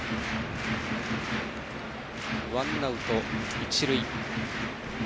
ワンアウト一塁。